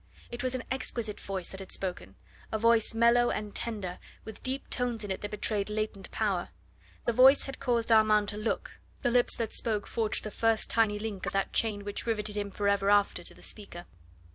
It was an exquisite voice that had spoken a voice mellow and tender, with deep tones in it that betrayed latent power. The voice had caused Armand to look, the lips that spoke forged the first tiny link of that chain which riveted him forever after to the speaker.